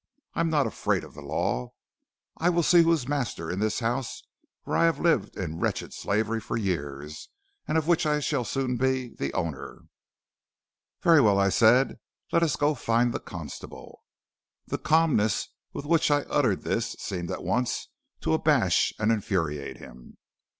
I am not afraid of the law. I will see who is master in this house where I have lived in wretched slavery for years, and of which I shall be soon the owner.' "'Very well,' said I, 'let us go find the constable.' "The calmness with which I uttered this seemed at once to abash and infuriate him.